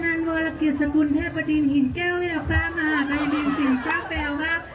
ท่านท่านมองลักษณะจากสกุลแพทย์ประดินหินแก้วแหวะประภาพมหาไปดินสินศาสตร์แป้วภาพ